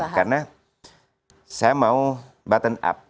karena saya mau button up